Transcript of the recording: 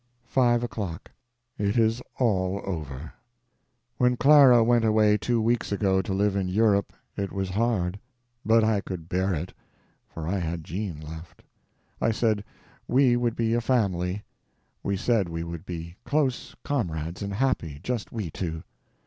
FIVE O'CLOCK.—It is all over. When Clara went away two weeks ago to live in Europe, it was hard, but I could bear it, for I had Jean left. I said we would be a family. We said we would be close comrades and happy—just we two.